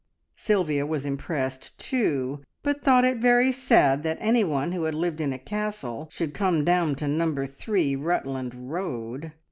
Sylvia was impressed too, but thought it very sad that anyone who had lived in a castle should come down to Number Three, Rutland Road.